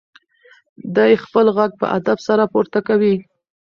دی خپل غږ په ادب سره پورته کوي.